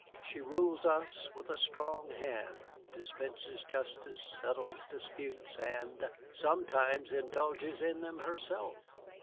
She rules us with a strong hand, dispenses justice, settles disputes, and sometimes indulges in them herself.